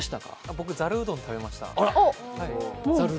僕、ざるうどんを食べました